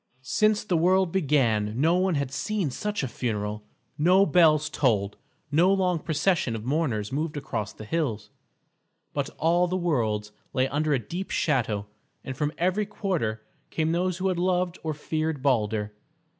Since the world began no one had seen such a funeral. No bells tolled, no long procession of mourners moved across the hills, but all the worlds lay under a deep shadow, and from every quarter came those who had loved or feared Balder.